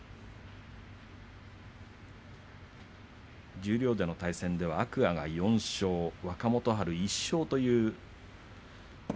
十両での対戦は、天空海が４勝若元春が１勝。